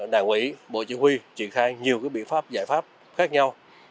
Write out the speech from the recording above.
đảng ủy bộ chỉ huy triển khai nhiều biện pháp giải pháp khác nhau